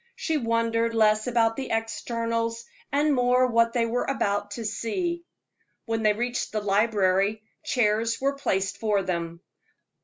She wondered less about the externals, and more what they were about to see. When they reached the library, chairs were placed for them.